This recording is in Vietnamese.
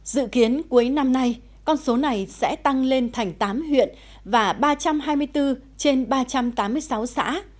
dự kiến cuối năm nay con số này sẽ tăng lên thành tám huyện và ba trăm hai mươi bốn trên ba trăm tám mươi sáu xã